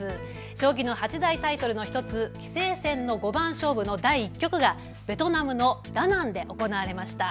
将棋の八大タイトルの１つ、棋聖戦の五番勝負の第１局がベトナムのダナンで行われました。